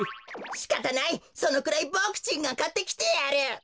しかたないそのくらいボクちんがかってきてやる。